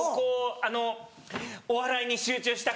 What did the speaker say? あの「お笑いに集中したくて。